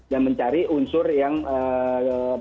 dan mencari unsur yang berat